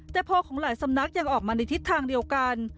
แต่พอของหลายสำนักยังออกมาในทิศทางเดียวกัน